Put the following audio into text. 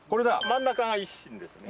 真ん中が一芯ですね。